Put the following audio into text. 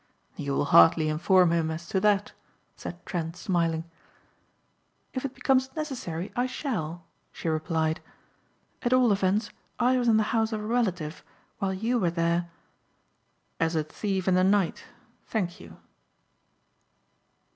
"You will hardly inform him as to that," said Trent smiling. "If it becomes necessary I shall," she replied. "At all events I was in the house of a relative while you were there " "As a thief in the night. Thank you."